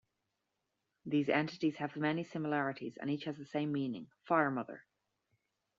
These entities have many similarities, and each has the same meaning, fire mother.